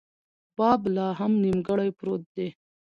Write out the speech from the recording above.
باب لا هم نیمګړۍ پروت دی.